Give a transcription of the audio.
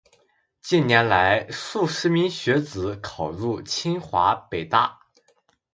近年来，数十名学子考入清华、北大